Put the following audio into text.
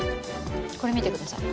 これ見てください。